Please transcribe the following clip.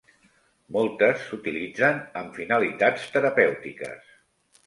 Moltes s'utilitzen amb finalitats terapèutiques.